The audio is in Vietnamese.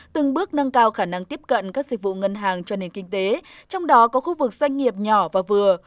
từng bước nâng cao khả năng tiếp cận các dịch vụ ngân hàng cho nền kinh tế trong đó có khu vực doanh nghiệp nhỏ và vừa